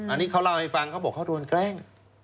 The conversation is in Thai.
อันนี้เขาเล่าให้ฟังเขาบอกเขาโดนแกล้ง